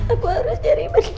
aku harus cari mending